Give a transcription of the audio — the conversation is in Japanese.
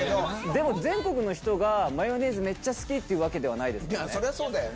も、全国の人が、マヨネーズめっちゃ好きってわけじゃないですよね。